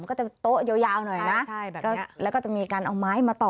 ก็จะโต๊ะยาวหน่อยนะแล้วก็จะมีการเอาไม้มาต่อ